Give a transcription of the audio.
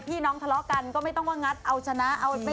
พี่น้องทะเลาะกันก็ไม่ต้องว่างัดเอาชนะ